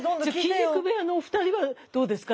筋肉部屋のお二人はどうですか？